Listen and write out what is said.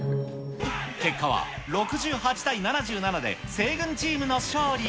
結果は６８対７７で西軍チームの勝利。